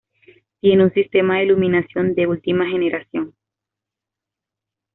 Tiene un sistema de iluminación de última generación.